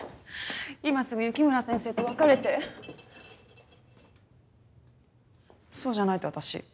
今すぐ雪村先生と別れてそうじゃないと私